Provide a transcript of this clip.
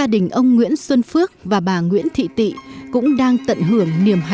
đi như thế này thì đau đớn lắm